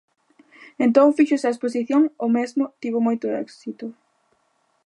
Entón fíxose a exposición o mesmo, tivo moito éxito.